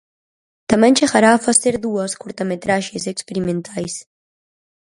Tamén chegará a facer dúas curtametraxes experimentais.